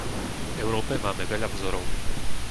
V Európe máme veľa vzorov.